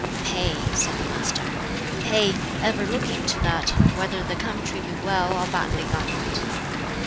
"Pay," said the Master; "pay ever looking to that, whether the country be well or badly governed."